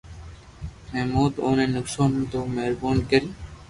جي مون اپو ني نقسون ھي تو مھربوبي ڪرين